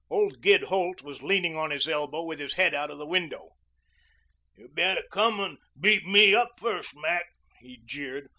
Old Gid Holt was leaning on his elbow with his head out of the window. "You better come and beat me up first, Mac," he jeered.